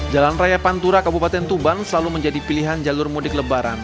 jalan raya pantura kabupaten tuban selalu menjadi pilihan jalur mudik lebaran